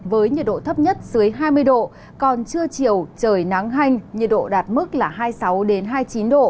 với nhiệt độ thấp nhất dưới hai mươi độ còn trưa chiều trời nắng hanh nhiệt độ đạt mức là hai mươi sáu hai mươi chín độ